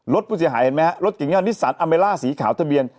รถพูดสีขาวเห็นมั้ยฮะรถเนี้ยว่านิสสันอเมล่าสีขาวทะเบียน